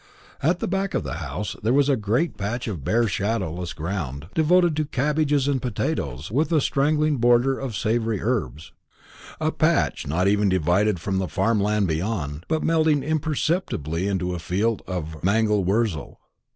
At the back of the house there was a great patch of bare shadowless ground devoted to cabbages and potatoes, with a straggling border of savoury herbs; a patch not even divided from the farm land beyond, but melting imperceptibly into a field of mangel wurzel.